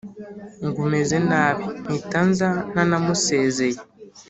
ngo umeze nabi mpitanza ntanamusezeye.".